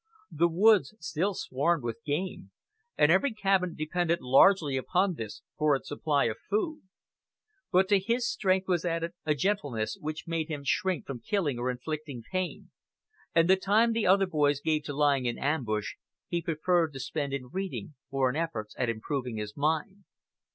The woods still swarmed with game, and every cabin depended largely upon this for its supply of food. But to his strength was added a gentleness which made him shrink from killing or inflicting pain, and the time the other boys gave to lying in ambush, he preferred to spend in reading or in efforts at improving his mind.